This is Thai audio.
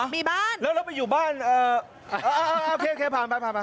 มีบ้านแล้วเราไปอยู่บ้านโอเคผ่าน